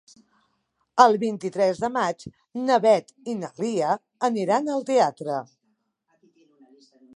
El vint-i-tres de maig na Beth i na Lia aniran al teatre.